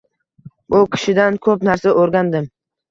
U kishidan koʻp narsa oʻrgandim.